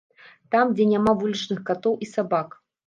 Там, дзе няма вулічных катоў і сабак.